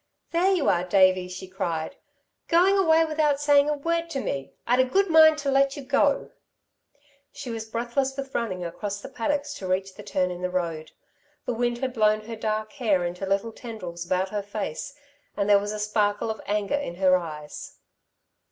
"There you are, Davey!" she cried. "Going away without saying a word to me! I'd a good mind to let you go." She was breathless with running across the paddocks to reach the turn in the road. The wind had blown her dark hair into little tendrils about her face, and there was a sparkle of anger in her eyes.